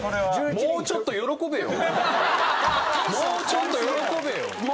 もうちょっと喜べよ。